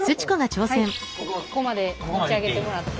ここまで持ち上げてもらって。